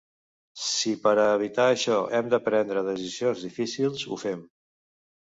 Si per a evitar això hem de prendre decisions difícils, ho fem.